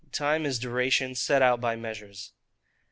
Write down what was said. Time is Duration set out by Measures.